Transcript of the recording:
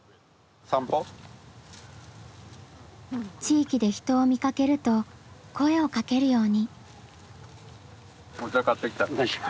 地域で人を見かけると声をかけるように。